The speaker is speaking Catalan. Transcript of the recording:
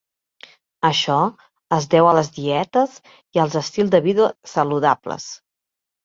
Això es deu a les dietes i als estils de vida saludables.